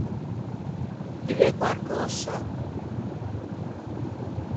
Ti veu quarcösa?